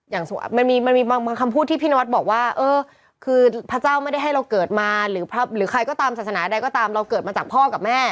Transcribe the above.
มันมีบางคำพูดที่พี่นวัดบอกว่าเออคือพระเจ้าไม่ได้ให้เราเกิดมาหรือใครก็ตามศาสนาใดก็ตามเราเกิดมาจากพ่อกับแม่